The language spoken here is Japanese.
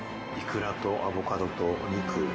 いくらとアボカドと肉。